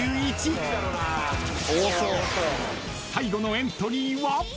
［最後のエントリーは］